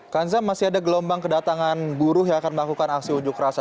kanza masih ada gelombang kedatangan buruh yang akan melakukan aksi unjuk rasa